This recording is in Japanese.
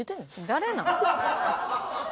誰なん？